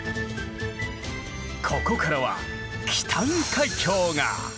ここからは紀淡海峡が！